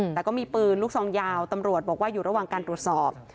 แต่ก็มีปืนลูกซองยาวตำรวจบอกว่าอยู่ระหว่างการตรวจสอบ